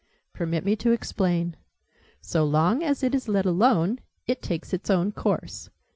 "Permit me to explain. So long as it is let alone, it takes its own course.